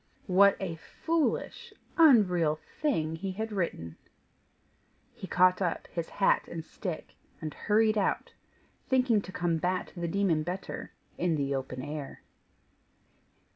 What a foolish, unreal thing he had written! He caught up his hat and stick and hurried out, thinking to combat the demon better in the open air.